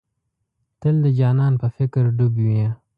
تل د جانان په فکر ډوب وې.